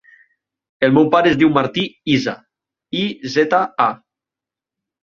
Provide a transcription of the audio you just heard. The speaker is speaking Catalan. El meu pare es diu Martí Iza: i, zeta, a.